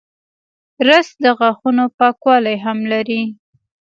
رس د غاښونو پاکوالی هم لري